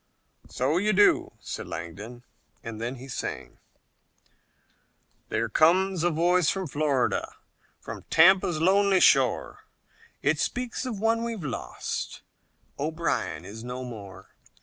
"So you do," said Langdon, and then he sang: "There comes a voice from Florida, From Tampa's lonely shore, It speaks of one we've lost, O'Brien is no more.